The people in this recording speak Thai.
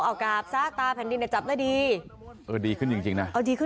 เอากราบซะตาแผ่นดินเนี่ยจับได้ดีเออดีขึ้นจริงจริงนะเอาดีขึ้น